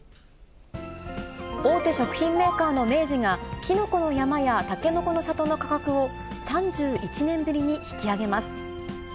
大手食品メーカーの明治が、きのこの山やたけのこの里の価格を３１年ぶりに引き上げます。